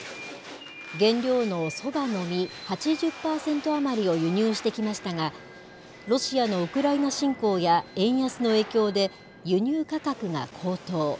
原料のそばの実８０％余りを輸入してきましたが、ロシアのウクライナ侵攻や円安の影響で、輸入価格が高騰。